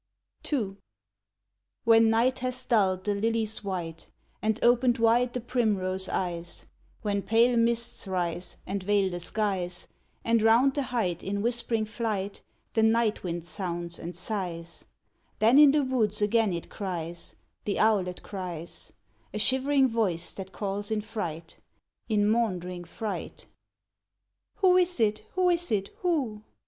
II When night has dulled the lily's white, And opened wide the primrose eyes; When pale mists rise and veil the skies, And 'round the height in whispering flight The night wind sounds and sighs; Then in the woods again it cries, The owlet cries; A shivering voice that calls in fright, In maundering fright: "Who is it, who is it, who?